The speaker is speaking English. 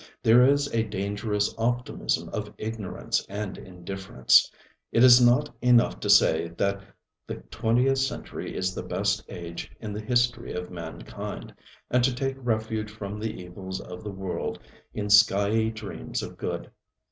There is a dangerous optimism of ignorance and indifference. It is not enough to say that the twentieth century is the best age in the history of mankind, and to take refuge from the evils of the world in skyey dreams of good.